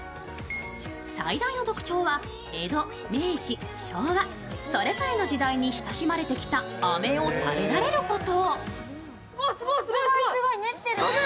最大の特徴は江戸、明治、昭和、それぞれの時代に親しまれてきたあめを食べられること。